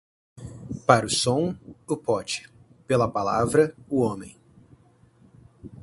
Para o som, o pote; pela palavra, o homem.